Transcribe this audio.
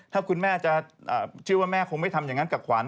ถ้าคุณแม่จะเชื่อว่าแม่คงไม่ทำอย่างนั้นกับขวัญ